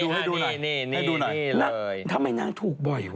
ให้ดูหน่อยทำไมนางถูกบ่อยวะอคุณธรรมครับ